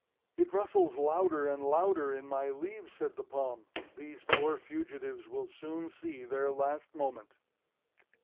"It rustles louder and louder in my leaves," said the palm. "These poor fugitives will soon see their last moment."